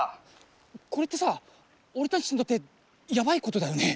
これってさ俺たちにとってやばいことだよね？